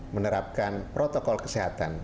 menerapkan protokol kesehatan